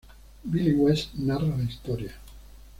Billy West narra la historia.